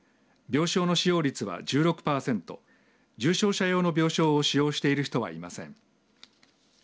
病床の使用率は１６パーセント重症者用の病床を使用している人はいません。